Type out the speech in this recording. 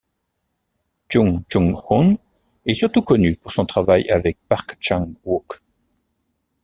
Chung Chung-hoon est surtout connu pour son travail avec Park Chan-wook.